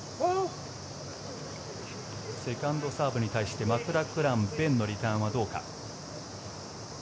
セカンドサーブに対してマクラクラン勉のリターンはどうか。